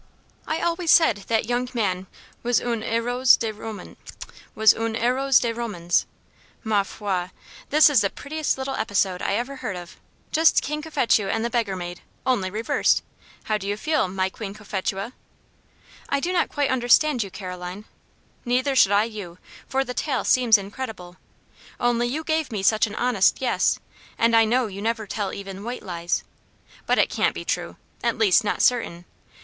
I always said that young man was 'un heros de romans!' Ma foi! this is the prettiest little episode I ever heard of. Just King Cophetua and the beggar maid only reversed. How do you feel, my Queen Cophetua?" "I do not quite understand you, Caroline." "Neither should I you, for the tale seems incredible. Only you gave me such an honest 'yes,' and I know you never tell even white lies. But it can't be true; at least, not certain.